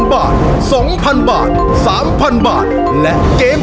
ครอบครัวของแม่ปุ้ยจังหวัดสะแก้วนะครับ